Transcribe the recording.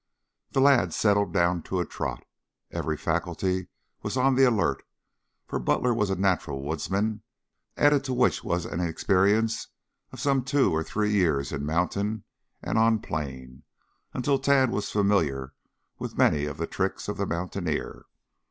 The lad settled down to a trot. Every faculty was on the alert, for Butler was a natural woodsman, added to which was an experience of some two or three years in mountain and on plain until Tad was familiar with many of the tricks of the mountaineer.